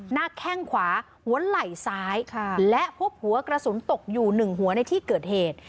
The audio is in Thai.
แข้งขวาหัวไหล่ซ้ายและพบหัวกระสุนตกอยู่หนึ่งหัวในที่เกิดเหตุ